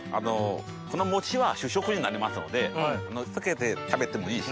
この餅は主食になりますので付けて食べてもいいし。